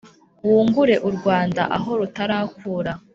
wungure u rwanda aho rutarakura